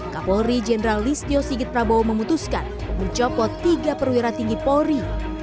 kapolri jenderal listio sigit prabowo memutuskan mencopot tiga perwira tinggi polri